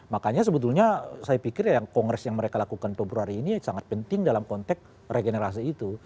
makanya sebetulnya saya pikir ya kongres yang mereka lakukan februari ini sangat penting dalam konteks regenerasi itu